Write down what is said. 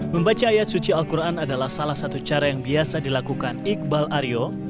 membaca ayat suci al quran adalah salah satu cara yang biasa dilakukan iqbal aryo